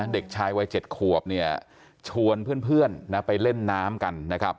เด็กชายวัย๗ขวบเนี่ยชวนเพื่อนไปเล่นน้ำกันนะครับ